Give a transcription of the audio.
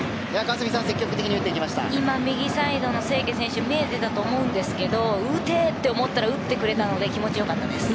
今、右サイドの清家選手見えていたと思うんですが打てと思ったら打ってくれたので気持ち良かったです。